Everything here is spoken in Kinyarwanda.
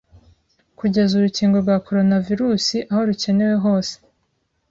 Kugeza urukingo rwa coronavirus aho rukenewe hose